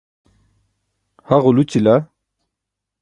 ha ġulućila